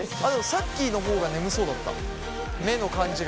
さっきのほうが眠そうだった目の感じが。